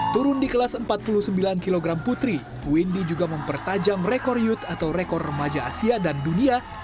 turun di kelas empat puluh sembilan kg putri windy juga mempertajam rekor youth atau rekor remaja asia dan dunia